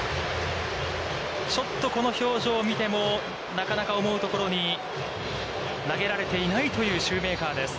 ちょっとこの表情を見ても、なかなか思うところに投げられていないというシューメーカーです。